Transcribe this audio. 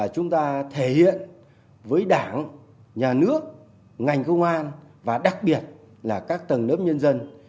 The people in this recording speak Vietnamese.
chúng ta thể hiện với đảng nhà nước ngành công an và đặc biệt là các tầng lớp nhân dân